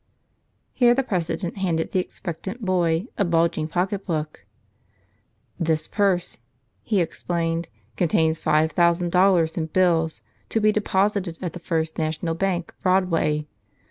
Here the president handed the expectant boy a bulging pocketbook. "This purse," he explained, "contains five thousand dollars in bills to be deposited at the First National Bank, Broadway.